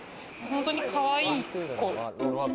本当にかわいい子。